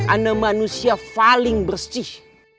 ana manusia paling bersih